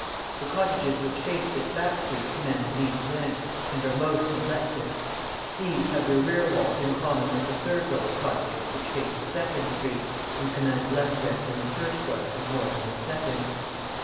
The cottages which face this back street command least rent, and are most neglected. These have their rear walls in common with the third row of cottages which face a second street, and command less rent than the first row and more than the second.